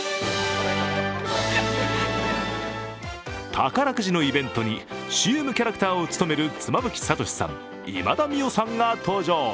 宝くじのイベントにＣＭキャラクターを務める妻夫木聡さん、今田美桜さんが登場。